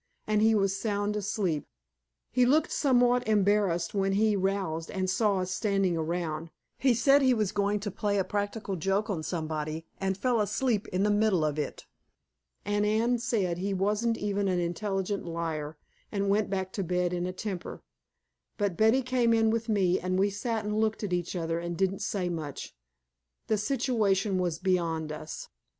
And he was sound asleep. He looked somewhat embarrassed when he roused and saw us standing around. He said he was going to play a practical joke on somebody and fell asleep in the middle of it. And Anne said he wasn't even an intelligent liar, and went back to bed in a temper. But Betty came in with me, and we sat and looked at each other and didn't say much. The situation was beyond us.